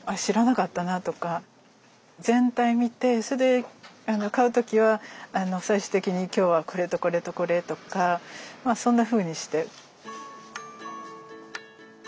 全体見てそれで買う時は最終的に今日はこれとこれとこれとかまあそんなふうにして。